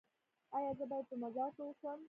ایا زه باید په مزار کې اوسم؟